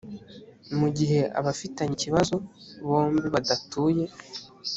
mu gihe abafitanye ikibazo bombi badatuye